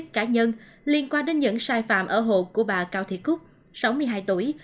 các tổ chức cá nhân liên quan đến những sai phạm ở hộ của bà cao thị cúc sáu mươi hai tuổi